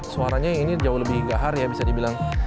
suaranya ini jauh lebih gahar ya bisa dibilang